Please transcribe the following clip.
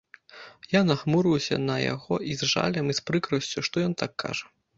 Я нахмурыўся на яго і з жалем і з прыкрасцю, што ён так кажа.